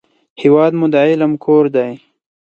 هېواد مو د علم کور دی